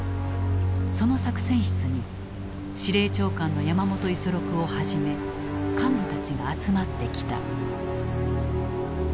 その作戦室に司令長官の山本五十六をはじめ幹部たちが集まってきた。